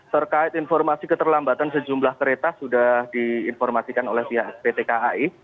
terkait informasi keterlambatan sejumlah kereta sudah diinformasikan oleh pihak pt kai